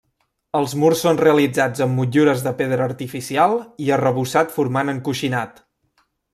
Els murs són realitzats amb motllures de pedra artificial i arrebossat formant encoixinat.